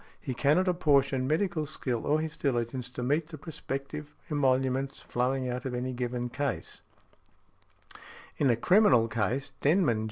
He cannot apportion medical skill or his diligence to meet the prospective emoluments flowing out of any given case . In a criminal case, Denman, J.